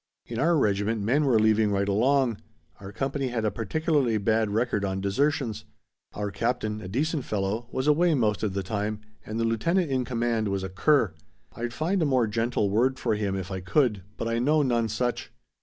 "In our regiment men were leaving right along. Our company had a particularly bad record on desertions. Our captain, a decent fellow, was away most of the time and the lieutenant in command was a cur. I'd find a more gentle word for him if I could, but I know none such.